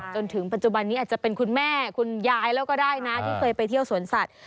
จนถึงปัจจุบันนี้อาจจะเป็นคุณแม่คุณยายแล้วก็ได้นะที่เคยไปเที่ยวสวนสัตว